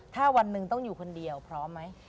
ถ้าวันหนึ่งต้องอยู่คนเดียวพร้อมไหม